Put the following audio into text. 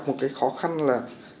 một cái khó khăn là